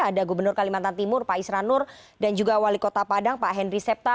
ada gubernur kalimantan timur pak isran nur dan juga wali kota padang pak henry septa